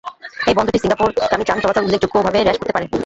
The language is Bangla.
এই বন্দরটি সিঙ্গাপুর-গামী যান চলাচল উল্লেখযোগ্যভাবে হ্রাস করতে পারে।